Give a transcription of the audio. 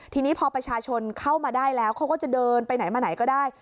ทีนี้พอประชาชนเข้ามาได้แล้วเขาก็จะเดินไปไหนมาไหนก็ได้